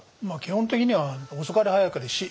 まあ基本的には遅かれ早かれ